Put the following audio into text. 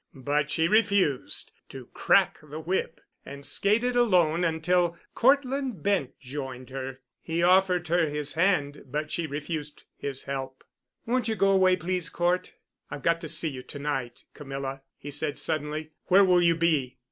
But she refused to "crack the whip," and skated alone until Cortland Bent joined her. He offered her his hand, but she refused his help. "Won't you go away please, Cort?" "I've got to see you to night, Camilla," he said suddenly. "Where will you be?"